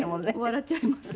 笑っちゃいます。